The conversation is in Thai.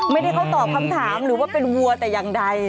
ไม่ได้เขาตอบคำถามหรือว่าเป็นวัวแต่อย่างใด